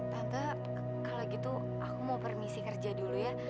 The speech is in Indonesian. tante kalau gitu aku mau permisi kerja dulu ya